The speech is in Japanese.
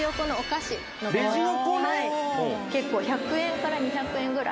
レジ横ね結構１００円から２００円ぐらい？